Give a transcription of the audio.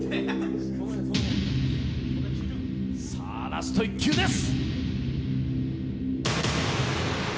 ラスト１球です。